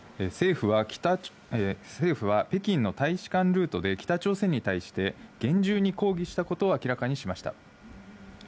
政府は、北京の大使館ルートで、北朝鮮に対して厳重に抗議したことを明らかにしました。